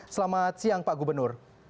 selamat siang pak gubernur